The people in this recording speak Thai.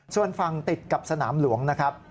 ส่วนฝั่งติดกับสนามหลวงนะครับ